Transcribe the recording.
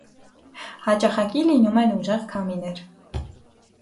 Հաճախակի լինում են ուժեղ քամիներ։